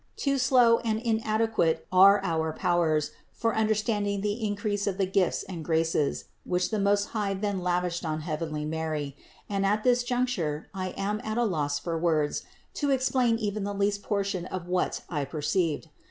Too slow and inadequate are our powers for understanding the increase of the gifts and graces, which the Most High then lavished on heavenly Mary; and at this juncture I am at a loss for words to explain even the least portion of what I p^eeiyed.